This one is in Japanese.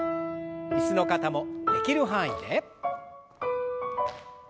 椅子の方もできる範囲で。